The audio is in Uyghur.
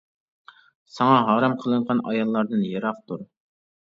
ساڭا ھارام قىلىنغان ئاياللاردىن يىراق تۇر.